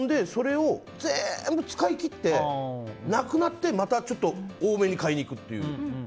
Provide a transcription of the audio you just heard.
全部使い切って、なくなってまた多めに買いに行くっていう。